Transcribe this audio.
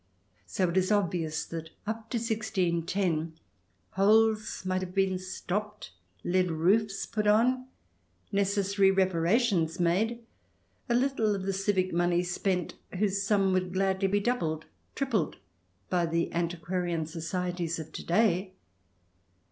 So it is obvious that up to 1610 holes might have been stopped, lead roofs put on, necessary reparations made, a little of the civic money spent, whose sum would gladly be doubled, tripled by the antiquarian societies of to day.